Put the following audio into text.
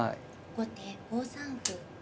後手５三歩。